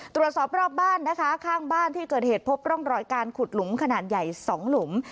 ตรวจสอบรอบบ้านนะคะข้างบ้านที่เกิดเหตุพบร่องรอยการขุดหลุมขนาดใหญ่๒หลุม